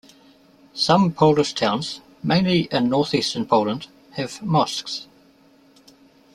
Some Polish towns, mainly in northeastern Poland have mosques.